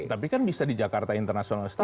tapi kan bisa di jakarta international stadi